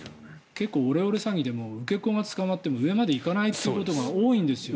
結構、オレオレ詐欺でも受け子が捕まっても上までいかないということが多いんですよね。